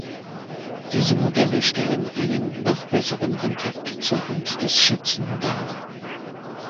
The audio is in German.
Diese Modelle stellen einen noch besseren Kontakt zur Hand des Schützen dar.